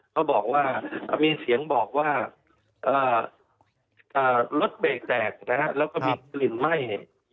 เขาบอกว่ามีเสียงบอกว่ารถเบรกแตกนะฮะแล้วก็มีกลิ่นไหม้